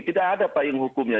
tidak ada payung hukumnya